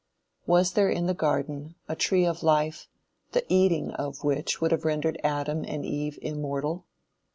Was there in the garden a tree of life, the eating of which would have rendered Adam and Eve immortal?